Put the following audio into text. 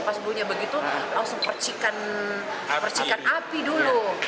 pas dulunya begitu langsung percikan api dulu